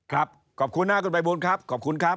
ขอบคุณนะคุณไพบูลขอบคุณครับ